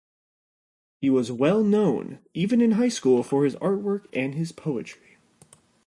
He was well known even in high school for his artwork and his poetry.